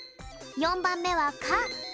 ４ばんめは「か」。